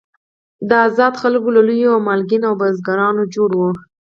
دا آزاد خلک له لویو مالکین او بزګرانو جوړ وو.